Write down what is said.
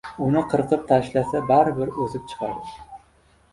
uni qirkib tashlasa, baribir o‘sib chiqadi.